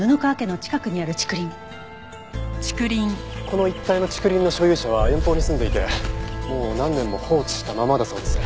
この一帯の竹林の所有者は遠方に住んでいてもう何年も放置したままだそうです。